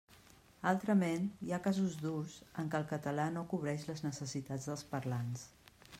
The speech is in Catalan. Altrament, hi ha casos d'ús en què el català no cobreix les necessitats dels parlants.